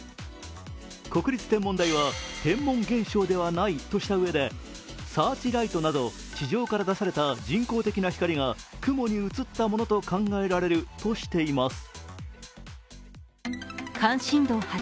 国立天文台は天文現象ではないとしたうえでサーチライトなど地上から出された人工的な光が雲に映ったものと考えられるとしています。